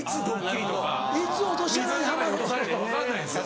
水の中に落とされるか分かんないんですよ。